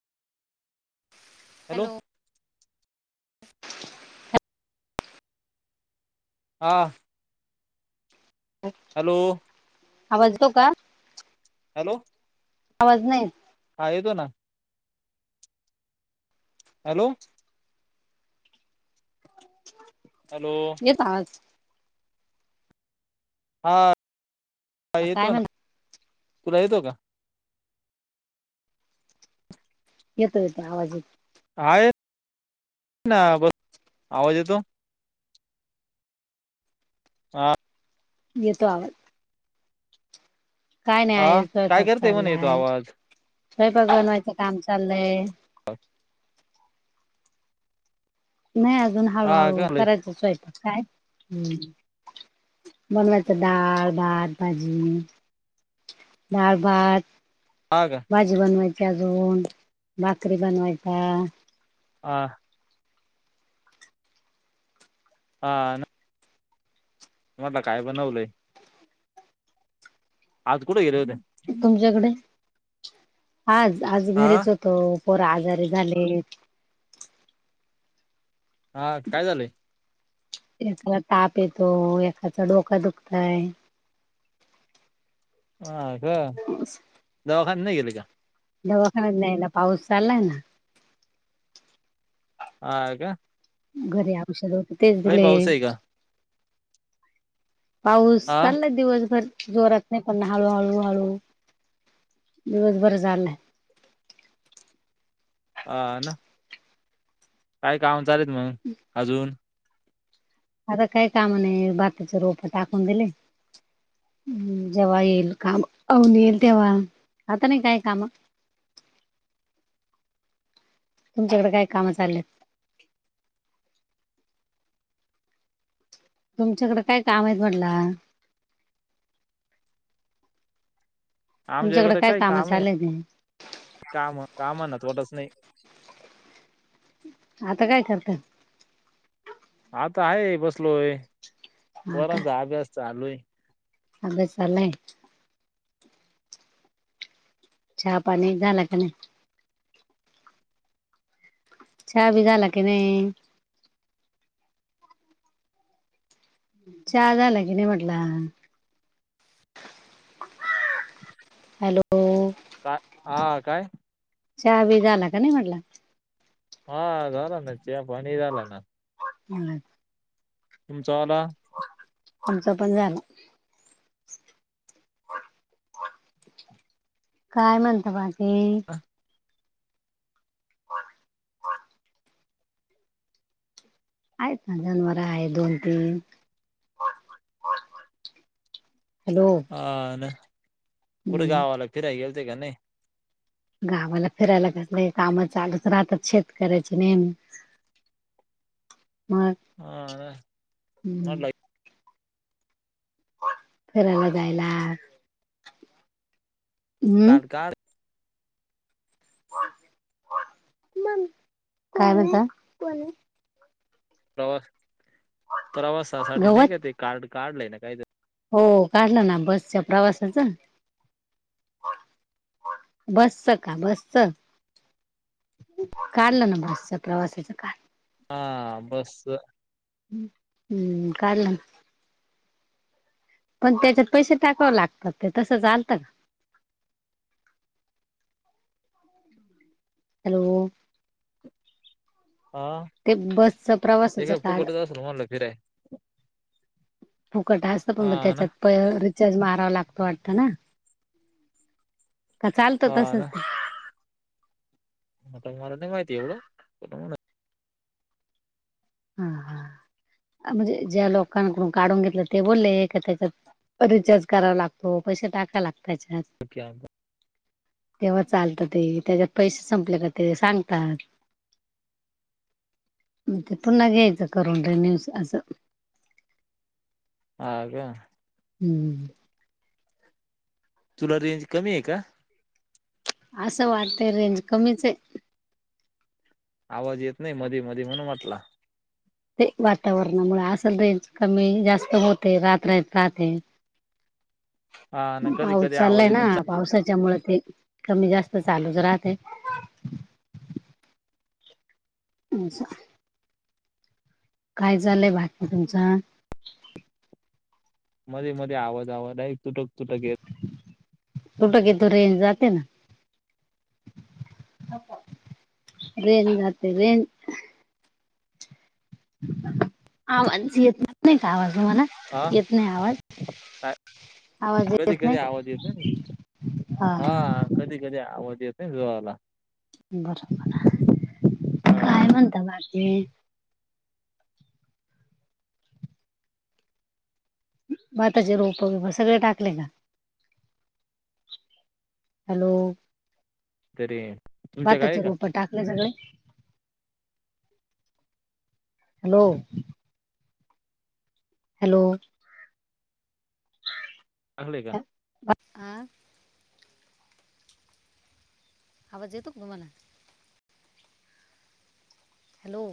Hello! हा! [unintelligible] Hello! आवाज येतो का? हॅलो! आवाज नाही येत. हा येतो ना. हॅलो! हॅलो! येतो आवाज. हा काय येतो ना म्हणत तुला येतो का येतो येतो आवाजेत हाय ना बस आवाज येतो हा येत आव काय नाही हा आहे काय स्वयंपाक करते म्हणे येतो चाललाय आवाज स्वयंपाक बनवायचं काम चाललंय हा नाही अजून हा का हळूहळू करायचाच आहेेत काय ह् बनवायचं डाळ भात भाजी त्या बद ह का भाजी बनवायची अजून भाकरी बनवायचा अ हा म्हट काय बनवलंय अज कुड इरद तुमच्याकडे आज आज हा घरीच हो त पोर आजारी झाले हा काय झालंय एखाला ताप येतो एखाचा डोका दुखतय अछा दवाखान नाही गेले का दवाखान्यात नाही ना पाऊस चाललाय ना हा घरी औषध होते तेच लय दिले पाऊस आहे का पाऊस हा चालला दिवसभर जोरात नाही पण हळू हळू हळू दिवस बरं झालंय ह ना काय काम चालेत मग अजून आता काय कामा नाही बातीचे रोप टाकून दिले हम् जेव्हा येईल काम अऊन येईल तेव्हा आता नाही काय काम तुमच्याकडे काय कामं चालत तुमच्याकडे काय काम आहेत म्हटलं आमच्या तुमच्याकडे वगात काय काही काम आहे चाललेत काम काम नावटच नाही आता काय करत आता आहे बसलो पर्यंत अभ्यास चालू आहे अगचलेय पा गा क हा बी झाला की नाही चचा झालं की नाही म्हटलं हॅलो काय हा काय चहा बी झाला का नाही म्हटला हा अला ना चे पणीदाला ना हम् तुमचा आला आमचं पण झालं काय म्हणत भाजी ह हा हा आहेत का ना जनवरवर आहे दोन तीन हॅलो आ ना कुठ हम्म. गावाला फिराय गेलते काय नाही? गावाला फिरायला कसलं ये काम चालूच राहतात शेतकऱ्याची मी हा ना हम्म, मला फरायला जायला [unintelligible] हम्म कार्ड काय म्हणता? प्रवास प्रवासासाठी नाही गवत का ते कार्ड काढलंय ना काहीतर हो काढलं ना बसच्या प्रवासाच. बस का बसचं? काढलं ना बसच प्रवासाच कार्ड हा बसच हम्, हुं काढलं ना. पण त्याच्यात पैसे टाकावं लागतात ते तसं चालतं का? हॅलो हा ते बसच ते प्रवासाचं काय काड फुकटच असेल म्हणलं फिराय फुकट असत हा पण म ना त्याच्यात प रिचार्ज मारावा लागतो वाटतं ना. का चालतं हा तसच ना ते [unintelligible] मला नाही माहिती एवढं हा हा म्हणजे ज्या लोकांकडून काढून घेतलं ते बोले का तेच्या रिचार्ज करावा लागतो पैसे टाकायला पाहिजे. [unintelligible] तेव्हा चालतं ते त्याच्यात पैसे संपले का ते सांगतात. मग ते पुन्हा घ्यायचं करून तेनं आस आसं. हा का हम्. तुला रेंज कमी आहे का? आसं वाटतंय रेंज कमीच हे. आवाज येत नाही मधीमधी म्हणून म्हटला. ते वातावरणामुळे आसल रेंज कमी जास्त होते [unintelligible] राहते. हा ना कधी पाऊस कधी आवाज चालाय ना येतो चा पावसाच्या मूळ ते कमी जास्त चालूच राहतय. [unintelligible] काय चालय बाकी तुमच? मध्येमध्ये आवाज आवाज तुटक तुटक येत तुटक येतो रेंज जाते ना. रेंज जाते रेंज. आवाज येत नाही नाही का आवाज तूम्हाला हा येत नाही आवाज? काय आवाज कधी येत कधी आवाज नाही हा, हा कधीकधी आवज येत [unintelligible] ला बरोबर काय हा म्हणता बाकी? भाताचे रोपबिप सगळे टाकले का? हॅलो तरी तुमच्या गावी भाताची का रोप टाकले सगळे? हॅलो हॅलो झाले का? आ आवाज येतो का तुम्हाला? हॅलो